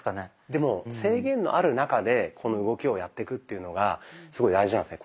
でも制限のある中でこの動きをやってくっていうのがすごい大事なんですね。